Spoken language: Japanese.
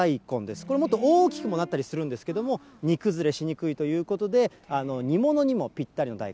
これ、もっと大きくなったりもするんですけれども、煮崩れしにくいということで、煮物にもぴったりの大根。